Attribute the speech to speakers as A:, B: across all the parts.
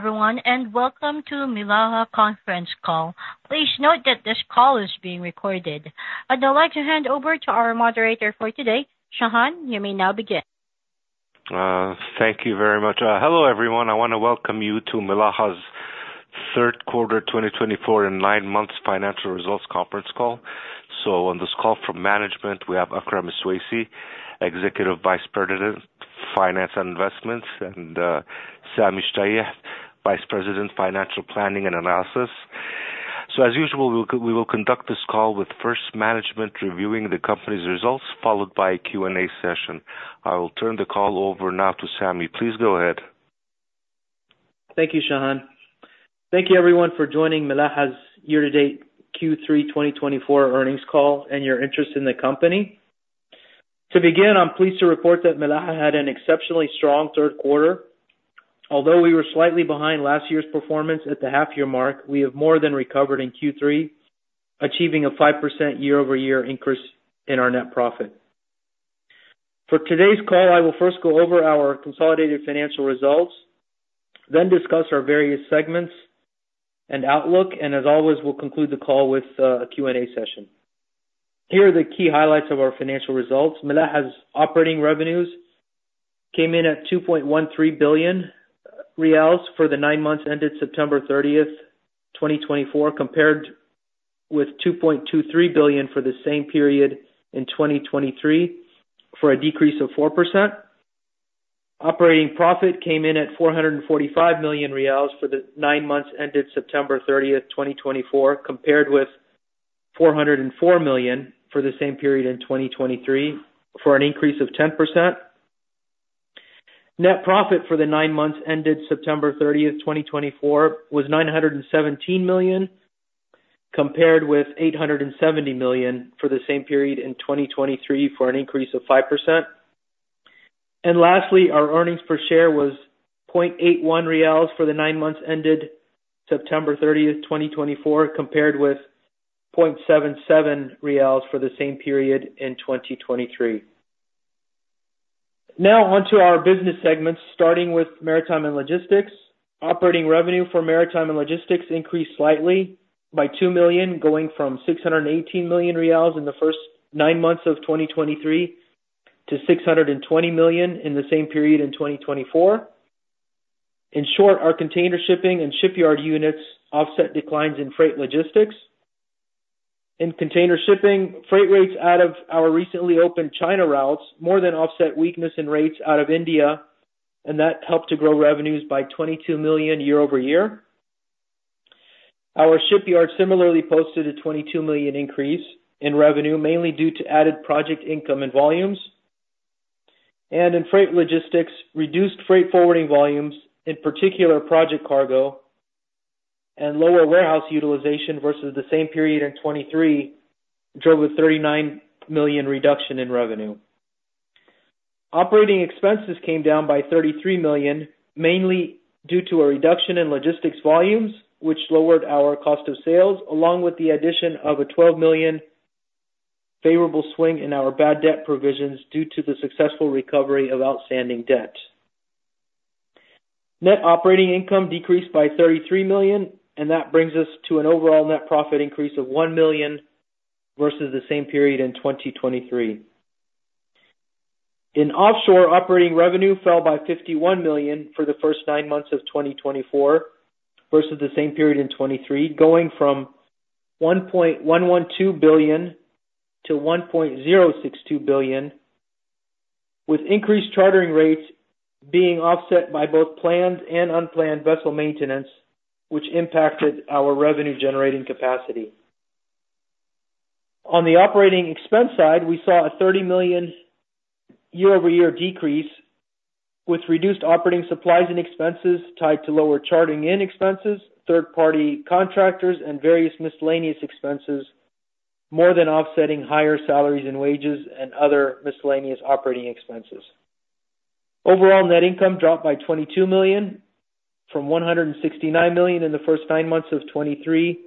A: Hello everyone, and Welcome to Milaha Conference Call. Please note that this call is being recorded. I'd now like to hand over to our moderator for today. Shahan, you may now begin.
B: Thank you very much. Hello, everyone. I wanna welcome you to Milaha's third quarter, 2024 and nine months financial results conference call. So on this call from management, we have Akram Iswaisi, Executive Vice President, Finance and Investments, and Sami Shtayyeh, Vice President, Financial Planning and Analysis. So as usual, we will conduct this call with first management reviewing the company's results, followed by a Q&A session. I will turn the call over now to Sami. Please go ahead.
C: Thank you, Shahan. Thank you everyone for joining Milaha's year-to-date Q3 2024 earnings call, and your interest in the company. To begin, I'm pleased to report that Milaha had an exceptionally strong third quarter. Although we were slightly behind last year's performance at the half-year mark, we have more than recovered in Q3, achieving a 5% year-over-year increase in our net profit. For today's call, I will first go over our consolidated financial results, then discuss our various segments and outlook, and as always, we'll conclude the call with a Q&A session. Here are the key highlights of our financial results. Milaha's operating revenues came in at QAR 2.13 billion for the nine months ended September 30th, 2024, compared with 2.23 billion for the same period in 2023, for a decrease of 4%. Operating profit came in at 445 million riyals for the nine months ended September 30th, 2024, compared with 404 million for the same period in 2023, for an increase of 10%. Net profit for the nine months ended September 30th, 2024, was 917 million, compared with 870 million for the same period in 2023, for an increase of 5%. And lastly, our earnings per share was QAR 0.81 for the nine months ended September 30th, 2024, compared with QAR 0.77 for the same period in 2023. Now on to our business segments, starting with Maritime & Logistics. Operating revenue for Maritime & Logistics increased slightly by 2 million, going from 618 million riyals in the first nine months of 2023 to 620 million in the same period in 2024. In short, our container shipping and shipyard units offset declines in freight logistics. In container shipping, freight rates out of our recently opened China routes more than offset weakness in rates out of India, and that helped to grow revenues by 22 million year-over-year. Our shipyard similarly posted a 22 million increase in revenue, mainly due to added project income and volumes, and in freight logistics, reduced freight forwarding volumes, in particular project cargo and lower warehouse utilization versus the same period in 2023, drove a 39 million reduction in revenue. Operating expenses came down by 33 million, mainly due to a reduction in logistics volumes, which lowered our cost of sales, along with the addition of a 12 million favorable swing in our bad debt provisions due to the successful recovery of outstanding debt. Net operating income decreased by QAR 33 million, and that brings us to an overall net profit increase of QAR 1 million versus the same period in 2023. In Offshore, operating revenue fell by 51 million for the first nine months of 2024 versus the same period in 2023, going from 1.112 billion to 1.062 billion, with increased chartering rates being offset by both planned and unplanned vessel maintenance, which impacted our revenue-generating capacity. On the operating expense side, we saw a 30 million year-over-year decrease, which reduced operating supplies and expenses tied to lower chartering in expenses, third-party contractors, and various miscellaneous expenses, more than offsetting higher salaries and wages and other miscellaneous operating expenses. Overall, net income dropped by 22 million, from 169 million in the first nine months of 2023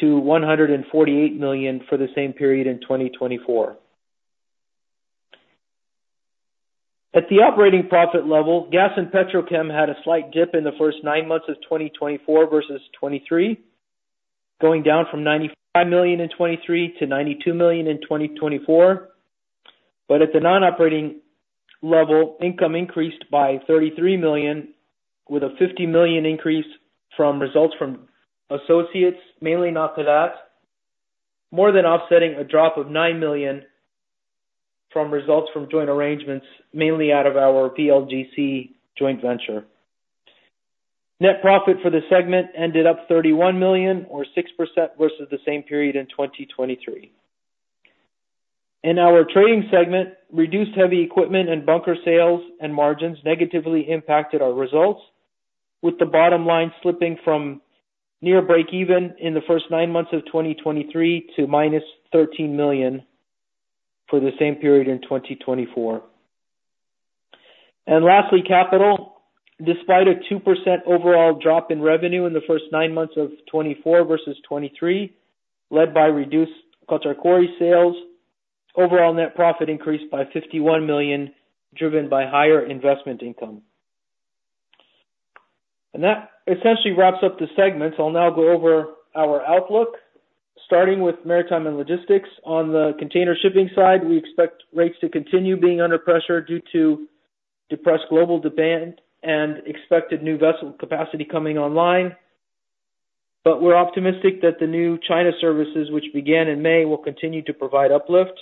C: to 148 million for the same period in 2024. At the operating profit level, Gas & Petrochem had a slight dip in the first nine months of 2024 versus 2023, going down from 95 million in 2023 to 92 million in 2024. But at the non-operating level, income increased by 33 million, with a 50 million increase from results from associates, mainly Nakilat, more than offsetting a drop of 9 million from results from joint arrangements, mainly out of our VLGC joint venture. Net profit for the segment ended up 31 million or 6% versus the same period in 2023. In our trading segment, reduced heavy equipment and bunker sales and margins negatively impacted our results, with the bottom line slipping from near breakeven in the first nine months of 2023 to -13 million for the same period in 2024. And lastly, capital. Despite a 2% overall drop in revenue in the first nine months of 2024 versus 2023, led by reduced Qatar Quarries sales- Overall, net profit increased by 51 million, driven by higher investment income. And that essentially wraps up the segments. I'll now go over our outlook, starting with Maritime & Logistics. On the container shipping side, we expect rates to continue being under pressure due to depressed global demand and expected new vessel capacity coming online. But we're optimistic that the new China services, which began in May, will continue to provide uplift.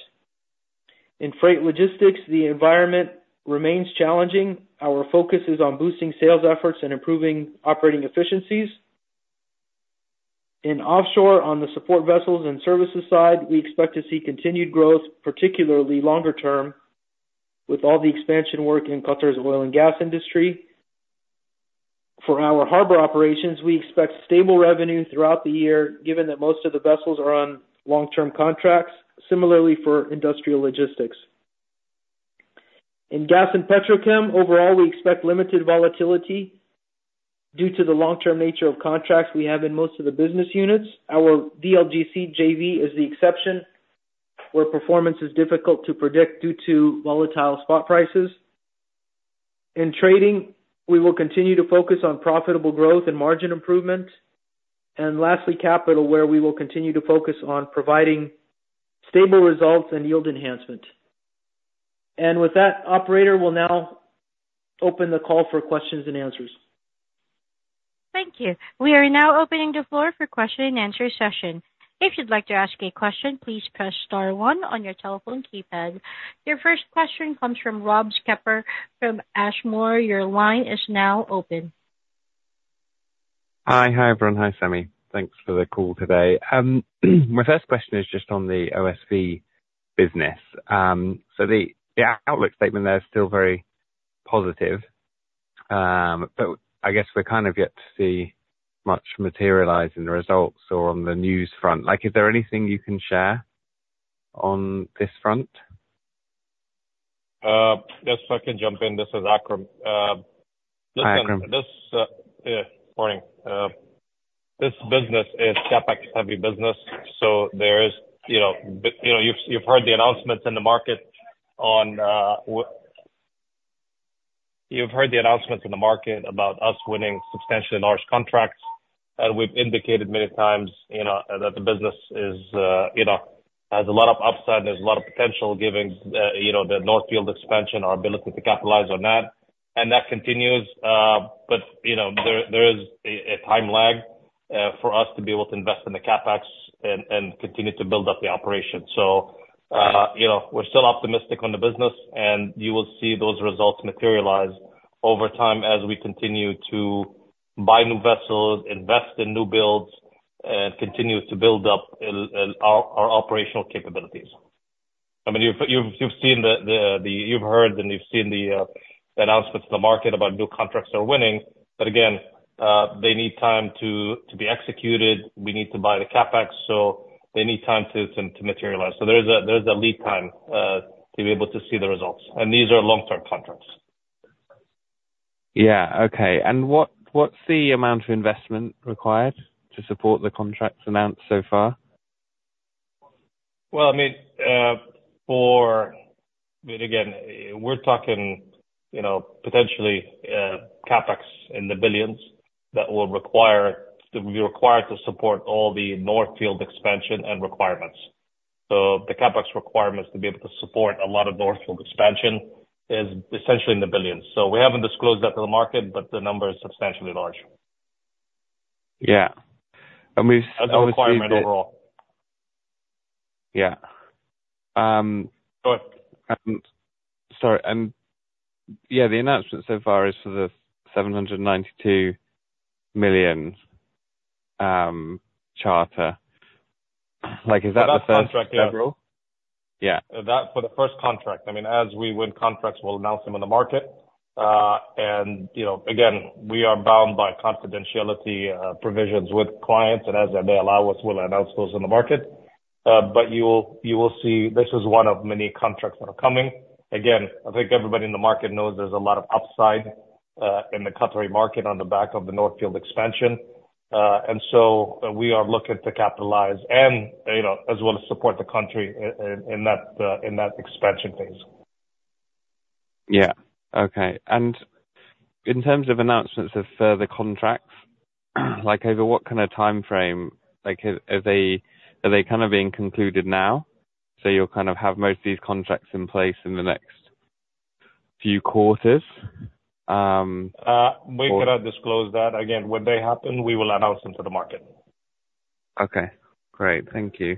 C: In Freight Logistics, the environment remains challenging. Our focus is on boosting sales efforts and improving operating efficiencies. In Offshore, on the support vessels and services side, we expect to see continued growth, particularly longer term, with all the expansion work in Qatar's oil and gas industry. For our harbor operations, we expect stable revenue throughout the year, given that most of the vessels are on long-term contracts. Similarly, for industrial logistics. In Gas & Petrochem, overall, we expect limited volatility due to the long-term nature of contracts we have in most of the business units. Our VLGC JV is the exception, where performance is difficult to predict due to volatile spot prices. In Trading, we will continue to focus on profitable growth and margin improvement. And lastly, capital, where we will continue to focus on providing stable results and yield enhancement. And with that, operator, we'll now open the call for questions and answers.
A: Thank you. We are now opening the floor for question and answer session. If you'd like to ask a question, please press star one on your telephone keypad. Your first question comes from Rob Scheaper from Ashmore. Your line is now open. Hi. Hi, everyone. Hi, Sami. Thanks for the call today. My first question is just on the OSV business. So the outlook statement there is still very positive, but I guess we're kind of yet to see much materialize in the results or on the news front. Like, is there anything you can share on this front?
D: Yes, I can jump in. This is Akram. Hi, Akram. This morning. This business is CapEx-heavy business, so there is, you know, you've heard the announcements in the market about us winning substantially large contracts, and we've indicated many times, you know, that the business is, you know, has a lot of upside and there's a lot of potential given, you know, the North Field expansion, our ability to capitalize on that, and that continues. But, you know, there is a time lag for us to be able to invest in the CapEx and continue to build up the operation. So, you know, we're still optimistic on the business, and you will see those results materialize over time as we continue to buy new vessels, invest in new builds, and continue to build up our operational capabilities. I mean, you've seen the... You've heard and you've seen the announcements in the market about new contracts we're winning. But again, they need time to be executed. We need to buy the CapEx, so they need time to materialize. So there's a lead time to be able to see the results, and these are long-term contracts. Yeah, okay. And what's the amount of investment required to support the contracts announced so far? Well, I mean, but again, we're talking, you know, potentially, CapEx in the billions that will require, that will be required to support all the North Field expansion and requirements. So the CapEx requirements to be able to support a lot of North Field expansion is essentially in the billions. So we haven't disclosed that to the market, but the number is substantially large. Yeah, and we've- A requirement overall. Yeah. Um- But- Sorry, and yeah, the announcement so far is for the 792 million charter. Like, is that the first several? Yeah. Yeah. That's for the first contract. I mean, as we win contracts, we'll announce them in the market. And, you know, again, we are bound by confidentiality provisions with clients, and as they allow us, we'll announce those in the market. But you will see this is one of many contracts that are coming. Again, I think everybody in the market knows there's a lot of upside in the Qatari market on the back of the North Field expansion. And so we are looking to capitalize and, you know, as well as support the country in that expansion phase. Yeah. Okay. And in terms of announcements of further contracts, like, over what kind of timeframe? Like, are they, are they kind of being concluded now, so you'll kind of have most of these contracts in place in the next few quarters? We cannot disclose that. Again, when they happen, we will announce them to the market. Okay, great. Thank you.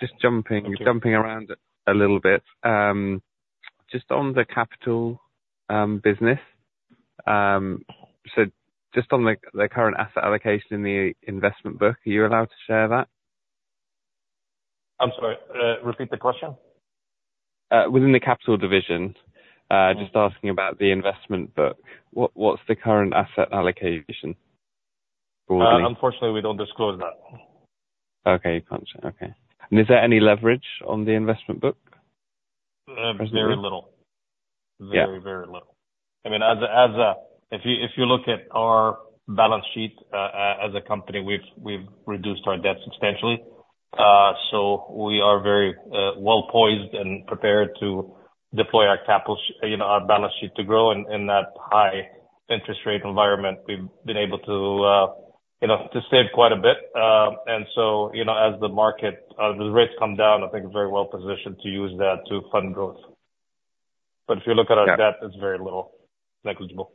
D: Just jumping- Thank you. jumping around a little bit, just on the capital business, so just on the current asset allocation in the investment book, are you allowed to share that? I'm sorry, repeat the question. Within the capital division, just asking about the investment book. What, what's the current asset allocation broadly? Unfortunately, we don't disclose that. Okay. Gotcha. Okay. And is there any leverage on the investment book? Very little. Yeah. Very, very little. I mean, if you look at our balance sheet, as a company, we've reduced our debt substantially. So we are very well-poised and prepared to deploy our capital, you know, our balance sheet to grow in that high interest rate environment. We've been able to, you know, to save quite a bit. And so, you know, as the market, the rates come down, I think we're very well positioned to use that to fund growth. But if you look at our debt- Yeah. It's very little. Negligible.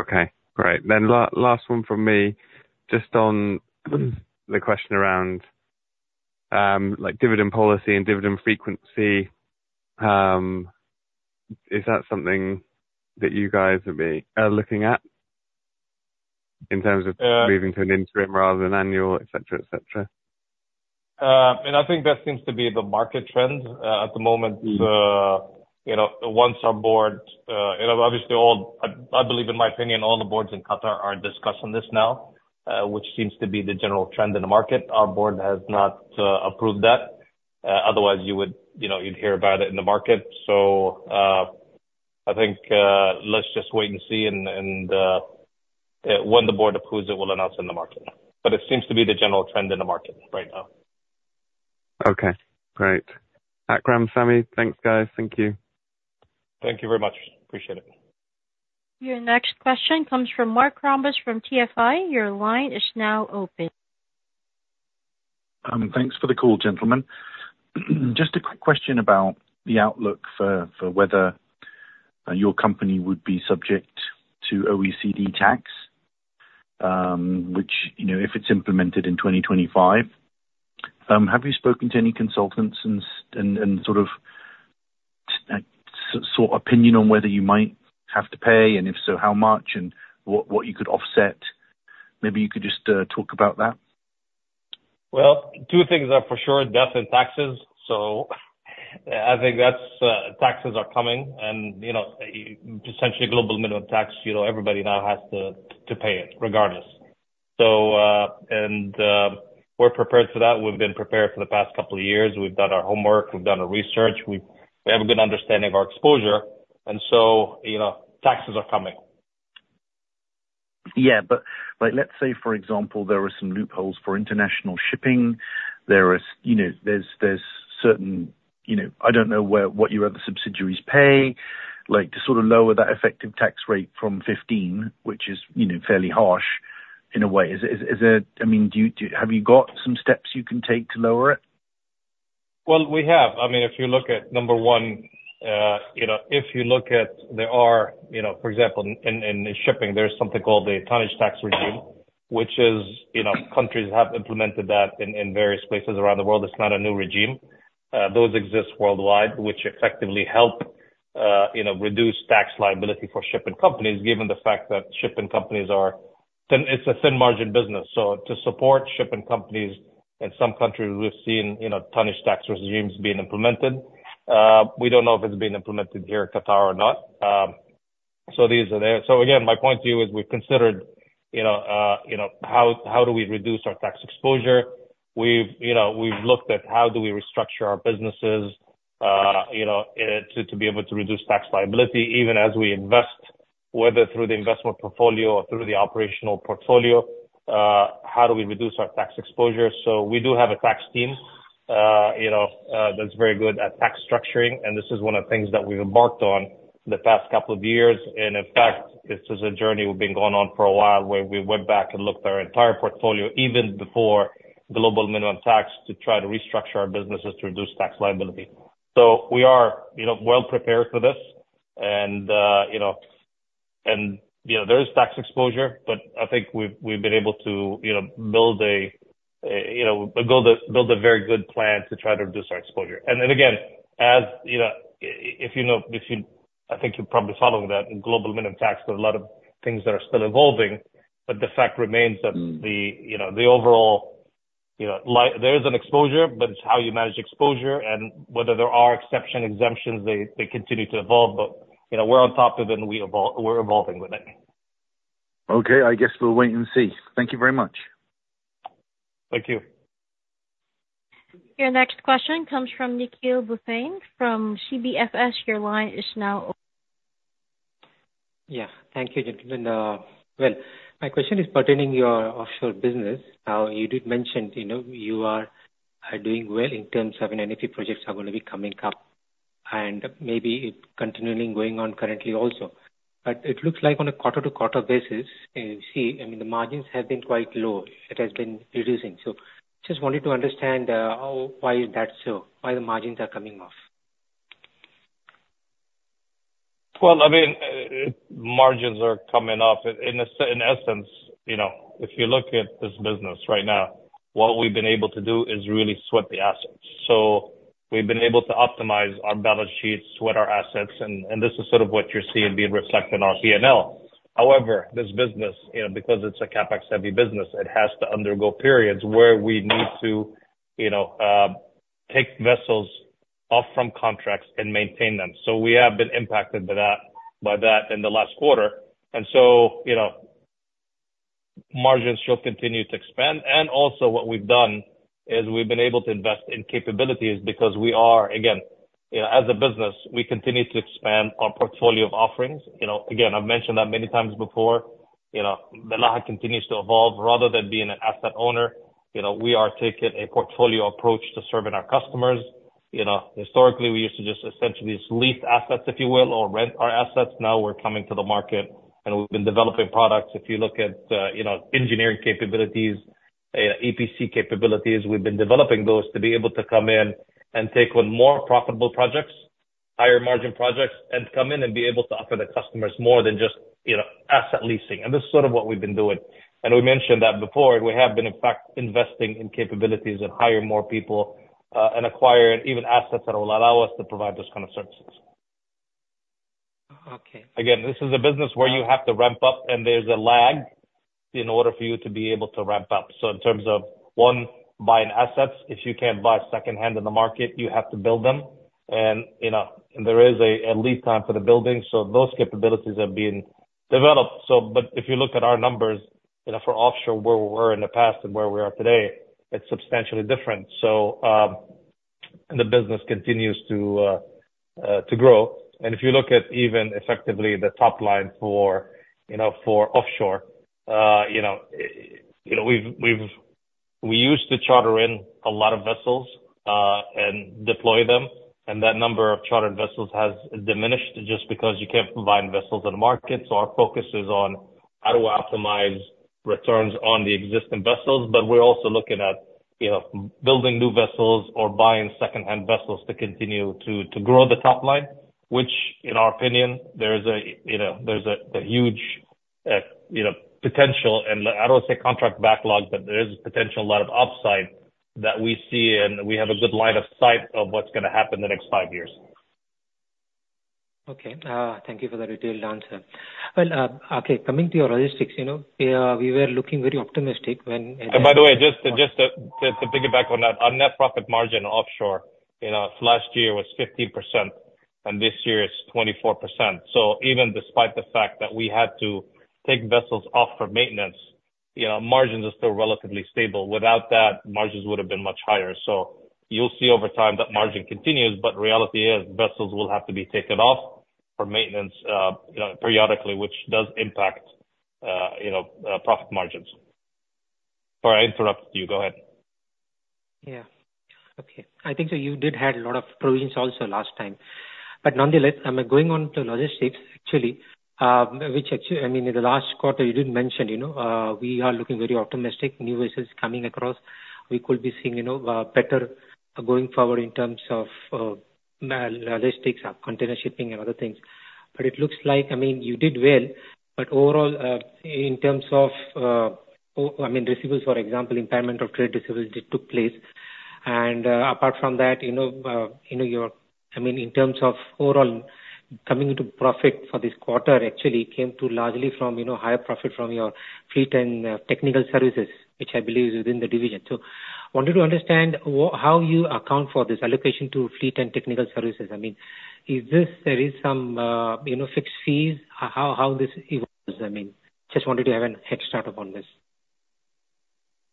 D: Okay, great. Then last one from me, just on the question around, like, dividend policy and dividend frequency, is that something that you guys would be looking at, in terms of- moving to an interim rather than annual, et cetera, et cetera? And I think that seems to be the market trend at the moment. You know, once our board, you know, obviously, all... I believe, in my opinion, all the boards in Qatar are discussing this now, which seems to be the general trend in the market. Our board has not approved that. Otherwise you would, you know, you'd hear about it in the market. So, I think, let's just wait and see and, when the board approves it, we'll announce in the market. But it seems to be the general trend in the market right now. Okay, great. Akram, Sami, thanks, guys. Thank you. Thank you very much. Appreciate it.
A: Your next question comes from Mark Krombas from TFI. Your line is now open.
E: Thanks for the call, gentlemen. Just a quick question about the outlook for whether your company would be subject to OECD tax, which, you know, if it's implemented in 2025, have you spoken to any consultants and sort of sought opinion on whether you might have to pay, and if so, how much, and what you could offset? Maybe you could just talk about that.
D: Two things are for sure, death and taxes. So I think that's taxes are coming and, you know, essentially, Global Minimum Tax, you know, everybody now has to pay it, regardless. So, we're prepared for that. We've been prepared for the past couple of years. We've done our homework, we've done our research, we have a good understanding of our exposure, and so, you know, taxes are coming.
E: Yeah, but like, let's say, for example, there are some loopholes for international shipping. There is, you know, there's certain, you know, I don't know where, what your other subsidiaries pay, like, to sort of lower that effective tax rate from 15%, which is, you know, fairly harsh in a way. Is it? I mean, have you got some steps you can take to lower it?
D: Well, we have. I mean, if you look at number one, you know, if you look at there are, you know, for example, in shipping, there's something called the tonnage tax regime, which is, you know, countries have implemented that in various places around the world. It's not a new regime. Those exist worldwide, which effectively help, you know, reduce tax liability for shipping companies, given the fact that shipping companies are thin—it's a thin margin business. So to support shipping companies in some countries, we've seen, you know, tonnage tax regimes being implemented. We don't know if it's been implemented here in Qatar or not, so these are there. So again, my point to you is, we've considered, you know, you know, how do we reduce our tax exposure? We've, you know, we've looked at how do we restructure our businesses, you know, to be able to reduce tax liability, even as we invest, whether through the investment portfolio or through the operational portfolio, how do we reduce our tax exposure? So we do have a tax team, you know, that's very good at tax structuring, and this is one of the things that we've embarked on the past couple of years. And in fact, this is a journey we've been going on for a while, where we went back and looked at our entire portfolio, even before Global Minimum Tax, to try to restructure our businesses to reduce tax liability. So we are, you know, well prepared for this, and you know, there is tax exposure, but I think we've been able to, you know, build a very good plan to try to reduce our exposure. And then again, as you know, if you know, if you—I think you're probably following that Global Minimum Tax, there are a lot of things that are still evolving, but the fact remains that the, you know, the overall, you know, there is an exposure, but it's how you manage exposure and whether there are exception exemptions, they continue to evolve. But, you know, we're on top of them, and we're evolving with it.
E: Okay, I guess we'll wait and see. Thank you very much.
D: Thank you.
A: Your next question comes from Nikhil Bhushan, from CBFS. Your line is now open
F: Yeah. Thank you, gentlemen. Well, my question is pertaining your Offshore business. Now, you did mention, you know, you are doing well in terms of North Field projects are going to be coming up, and maybe it's continuing going on currently also. But it looks like on a quarter-to-quarter basis, you see, I mean, the margins have been quite low. It has been reducing. So just wanted to understand, how, why is that so? Why the margins are coming off?
D: I mean, margins are coming off. In essence, you know, if you look at this business right now, what we've been able to do is really sweat the assets. So we've been able to optimize our balance sheets, sweat our assets, and this is sort of what you're seeing being reflected in our P&L. However, this business, you know, because it's a CapEx-heavy business, it has to undergo periods where we need to, you know, take vessels off from contracts and maintain them. So we have been impacted by that in the last quarter, and margins should continue to expand. Also what we've done is we've been able to invest in capabilities because we are, again, you know, as a business, we continue to expand our portfolio of offerings. You know, again, I've mentioned that many times before. You know, Milaha continues to evolve. Rather than being an asset owner, you know, we are taking a portfolio approach to serving our customers. You know, historically, we used to just essentially just lease assets, if you will, or rent our assets. Now we're coming to the market, and we've been developing products. If you look at, you know, engineering capabilities, EPC capabilities, we've been developing those to be able to come in and take on more profitable projects, higher margin projects, and come in and be able to offer the customers more than just, you know, asset leasing, and this is sort of what we've been doing. And we mentioned that before, and we have been, in fact, investing in capabilities and hiring more people, and acquiring even assets that will allow us to provide those kind of services.
F: Okay.
D: Again, this is a business where you have to ramp up, and there's a lag in order for you to be able to ramp up. So in terms of, one, buying assets, if you can't buy secondhand in the market, you have to build them. And, you know, there is a lead time for the building. So those capabilities have been developed. So but if you look at our numbers, you know, for Offshore, where we were in the past and where we are today, it's substantially different. So, and the business continues to to grow. If you look at even effectively the top line for, you know, for Offshore, you know, you know, we used to charter in a lot of vessels, and deploy them, and that number of chartered vessels has diminished just because you can't find vessels in the market. So our focus is on how do we optimize returns on the existing vessels, but we're also looking at, you know, building new vessels or buying secondhand vessels to continue to grow the top line. Which in our opinion, there is a, you know, there's a huge, you know, potential and, I don't want to say contract backlog, but there is a potential lot of upside that we see, and we have a good line of sight of what's gonna happen in the next five years.
F: Okay. Thank you for the detailed answer. Well, okay, coming to your logistics, you know, we were looking very optimistic when
D: By the way, just to piggyback on that, our net profit margin Offshore, you know, last year was 15%, and this year it's 24%. So even despite the fact that we had to take vessels off for maintenance, you know, margins are still relatively stable. Without that, margins would have been much higher. So you'll see over time that margin continues, but reality is, vessels will have to be taken off for maintenance, you know, profit margins. Sorry, I interrupted you. Go ahead.
F: Yeah. Okay. I think that you did have a lot of provisions also last time. But nonetheless, I'm going on to logistics, actually, which actually, I mean, in the last quarter, you did mention, you know, we are looking very optimistic, new vessels coming across. We could be seeing, you know, better going forward in terms of, logistics, container shipping and other things. But it looks like, I mean, you did well, but overall, in terms of, I mean, receivables, for example, impairment of trade receivables did took place. And, apart from that, you know, you know, your. I mean, in terms of overall coming into profit for this quarter, actually came through largely from, you know, higher profit from your fleet and, technical services, which I believe is within the division. So wanted to understand how you account for this allocation to fleet and technical services. I mean, is this there is some, you know, fixed fees? How this evolves, I mean, just wanted to have a head start upon this.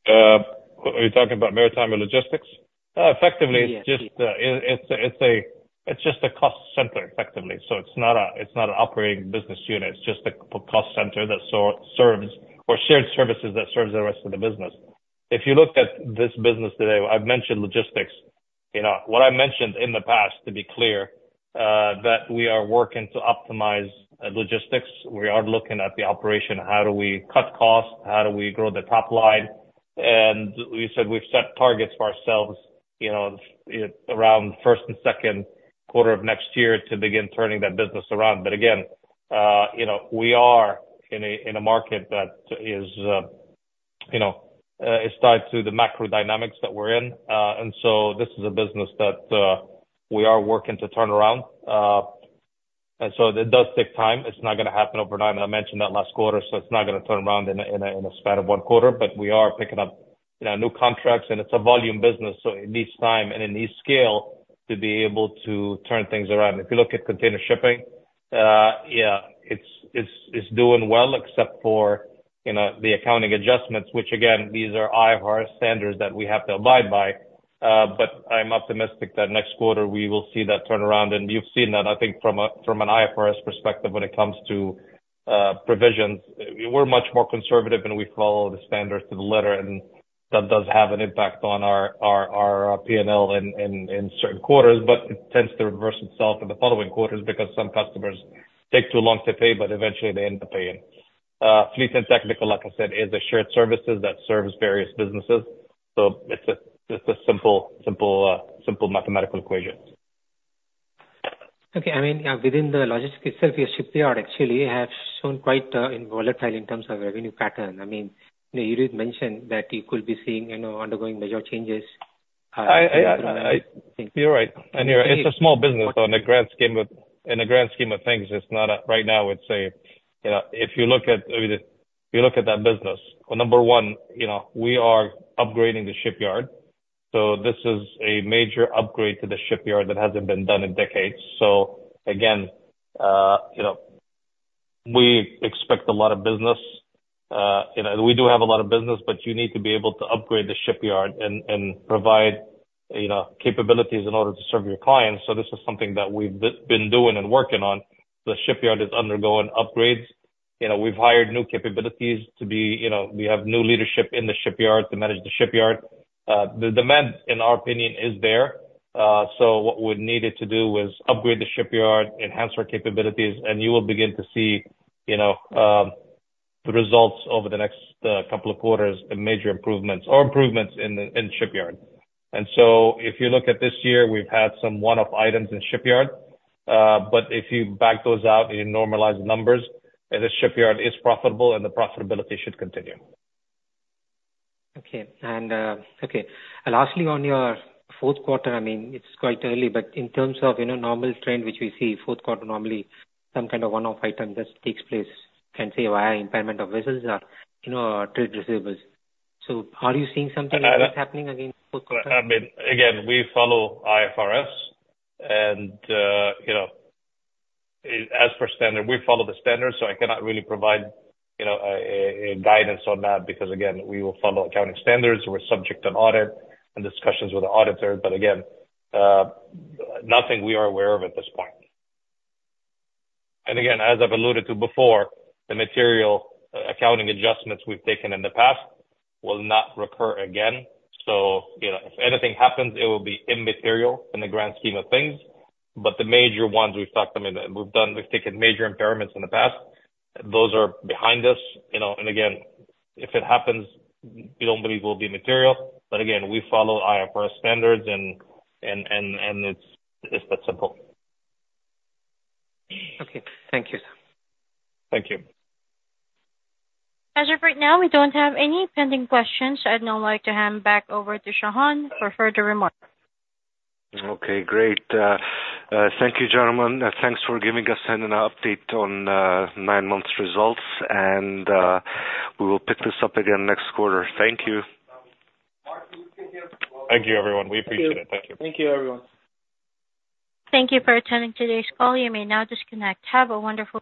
D: Are you talking about Maritime & Logistics? Effectively-
F: Yes.
D: It's just a cost center, effectively. So it's not an operating business unit, it's just a cost center that serves, or shared services that serves the rest of the business. If you look at this business today, I've mentioned logistics. You know, what I mentioned in the past, to be clear, that we are working to optimize logistics. We are looking at the operation, how do we cut costs, how do we grow the top line, and we said we've set targets for ourselves, you know, around first and second quarter of next year to begin turning that business around, but again, you know, we are in a market that is, you know, it's tied to the macro dynamics that we're in. And so this is a business that we are working to turn around. And so it does take time. It's not gonna happen overnight, and I mentioned that last quarter, so it's not gonna turn around in a span of one quarter. But we are picking up, you know, new contracts, and it's a volume business, so it needs time and it needs scale to be able to turn things around. If you look at container shipping, yeah, it's doing well, except for, you know, the accounting adjustments, which again, these are IFRS standards that we have to abide by. But I'm optimistic that next quarter we will see that turnaround. And we've seen that, I think, from an IFRS perspective when it comes to provisions. We're much more conservative, and we follow the standards to the letter, and that does have an impact on our P&L in certain quarters, but it tends to reverse itself in the following quarters because some customers take too long to pay, but eventually they end up paying. Fleet and technical, like I said, is a shared services that serves various businesses, so it's just a simple mathematical equation.
F: Okay, I mean, within the logistics itself, your shipyard actually have shown quite volatile in terms of revenue pattern. I mean, you did mention that you could be seeing, you know, undergoing major changes.
D: You're right. And you're, it's a small business in the grand scheme of things. It's not a right now. I'd say, you know, if you look at, if you look at that business. Well, number one, you know, we are upgrading the shipyard. So this is a major upgrade to the shipyard that hasn't been done in decades. So again, you know, we expect a lot of business. You know, we do have a lot of business, but you need to be able to upgrade the shipyard and provide, you know, capabilities in order to serve your clients. So this is something that we've been doing and working on. The shipyard is undergoing upgrades. You know, we've hired new capabilities to be, you know, we have new leadership in the shipyard to manage the shipyard. The demand, in our opinion, is there, so what we needed to do was upgrade the shipyard, enhance our capabilities, and you will begin to see, you know, the results over the next couple of quarters, and major improvements or improvements in the shipyard, and so if you look at this year, we've had some one-off items in shipyard, but if you back those out and you normalize the numbers, the shipyard is profitable and the profitability should continue.
F: Okay. And lastly, on your fourth quarter, I mean, it's quite early, but in terms of, you know, normal trend, which we see fourth quarter, normally some kind of one-off item that takes place, can say, via impairment of vessels or, you know, trade receivables. So are you seeing something that's happening again, fourth quarter?
D: I mean, again, we follow IFRS and, you know, as per standard, we follow the standards, so I cannot really provide, you know, guidance on that, because again, we will follow accounting standards. We're subject to audit and discussions with the auditors. But again, nothing we are aware of at this point. Again, as I've alluded to before, the material, accounting adjustments we've taken in the past will not recur again. So, you know, if anything happens, it will be immaterial in the grand scheme of things. But the major ones, we've talked them in, we've done, we've taken major impairments in the past. Those are behind us, you know, and again, if it happens, we don't believe will be material. But again, we follow IFRS standards and, it's that simple.
F: Okay. Thank you.
D: Thank you.
A: As of right now, we don't have any pending questions. I'd now like to hand back over to Shahan for further remarks.
B: Okay, great. Thank you, gentlemen. Thanks for giving us an update on nine months results, and we will pick this up again next quarter. Thank you.
D: Thank you, everyone. We appreciate it. Thank you.
C: Thank you, everyone.
A: Thank you for attending today's call. You may now disconnect. Have a wonderful day.